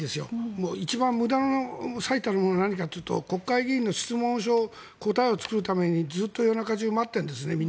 もう一番無駄な最たるものは何かというと国会議員の質問書答えを作るためにずっと夜中にみんなが待っているんですね。